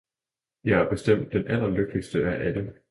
Jeg er bestemt den allerlykkeligste af alle!